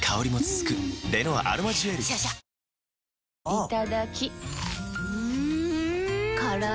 いただきっ！